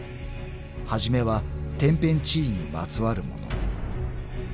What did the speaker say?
［初めは天変地異にまつわるもの］